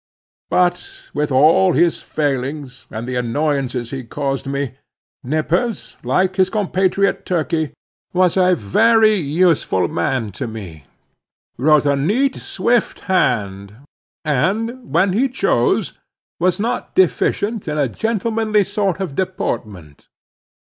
But with all his failings, and the annoyances he caused me, Nippers, like his compatriot Turkey, was a very useful man to me; wrote a neat, swift hand; and, when he chose, was not deficient in a gentlemanly sort of deportment.